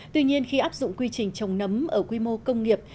tuy nhiên khi áp dụng quy trình trồng nấm ở quy mô công nghiệp